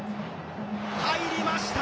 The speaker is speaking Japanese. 入りました！